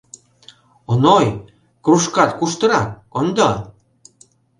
Оной, кружкат куштырак, кондо.